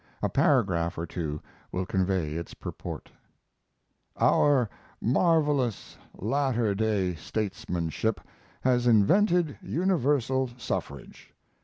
A paragraph or two will convey its purport: Our marvelous latter day statesmanship has invented universal suffrage.